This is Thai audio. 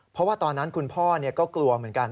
เพราะว่าตอนนั้นคุณพ่อก็กลัวเหมือนกัน